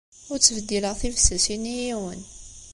Ur ttbeddileɣ tibessasin i yiwen.